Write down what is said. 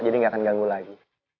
jadi nggak akan ganggu lagi